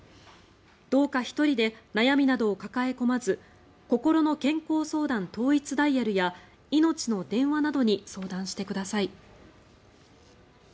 どうか１人で悩みなどを抱え込まずこころの健康相談統一ダイヤルやいのちの電話などに相談してください。